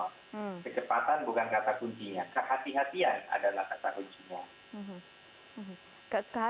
kehatian adalah kata kuncinya